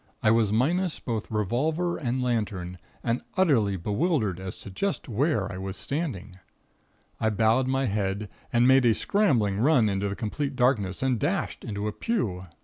I was minus both revolver and lantern, and utterly bewildered as to just where I was standing. I bowed my head, and made a scrambling run in the complete darkness and dashed into a pew.